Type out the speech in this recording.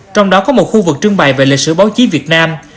trong đó có một khu vực trưng bày về lịch sử báo chí việt nam